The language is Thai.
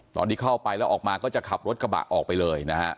ตอนที่เข้าไปแล้วออกมาก็จะขับรถกระบะออกไปเลยนะฮะ